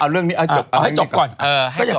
เอาเรื่องนี้เอาให้จบ